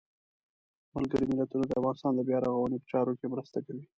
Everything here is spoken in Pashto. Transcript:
ملګري ملتونه د افغانستان د بیا رغاونې په چارو کې مرسته کوي.